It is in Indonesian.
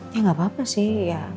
ya nggak apa apa sih ya